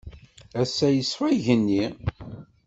Ass-a yesfa Igenni.